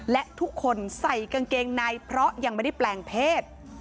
และทุกคนใส่กางเกงในเพราะยังไม่ได้แปลงเพศ